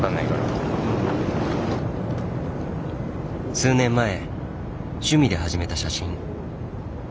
数年前趣味で始めた写真。